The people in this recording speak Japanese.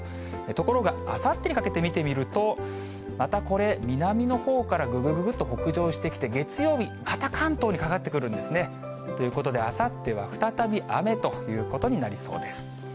ところがあさってにかけて見てみると、またこれ、南のほうから、ぐぐぐぐっと北上してきて、月曜日、また関東にかかってくるんですね。ということであさっては再び雨ということになりそうです。